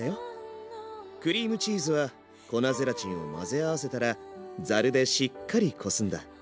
クリームチーズは粉ゼラチンを混ぜ合わせたらざるでしっかりこすんだ。